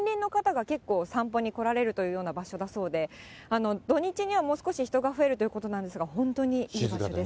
そうですね、近隣の方が結構散歩に来られるというような場所だそうで、土日にはもう少し人が増えるということなんですが、本当にいい場所です。